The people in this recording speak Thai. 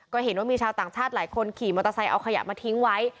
ก็เห็นว่ามีชาวต่างชาติหลายคนขี่มอเตอร์ไซค์เอาขยะมาทิ้งไว้